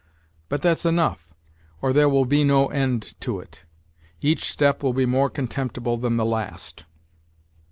But that's enough, or there will be no end to it : each step will be more contemptible than the last.